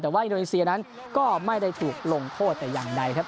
แต่ว่าอินโดนีเซียนั้นก็ไม่ได้ถูกลงโทษแต่อย่างใดครับ